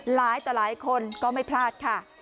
หลายต่อหลายคนก็ไม่พลาดค่ะ